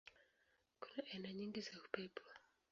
Kuna aina nyingi za upepo.